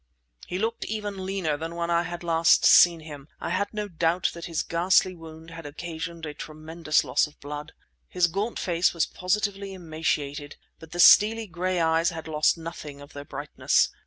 He looked even leaner than when I had last seen him. I had no doubt that his ghastly wound had occasioned a tremendous loss of blood. His gaunt face was positively emaciated, but the steely gray eyes had lost nothing of their brightness.